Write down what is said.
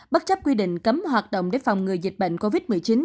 bất chấp quy định cấm hoạt động để phòng ngừa dịch bệnh covid một mươi chín